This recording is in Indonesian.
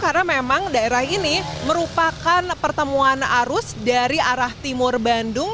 karena memang daerah ini merupakan pertemuan arus dari arah timur bandung